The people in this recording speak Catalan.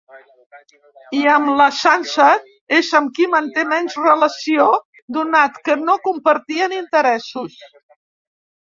I amb la Sansa és amb qui manté menys relació donat que no compartien interessos.